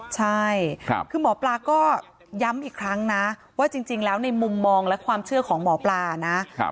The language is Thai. ใช่คือหมอปลาก็ย้ำอีกครั้งนะว่าจริงแล้วในมุมมองและความเชื่อของหมอปลานะ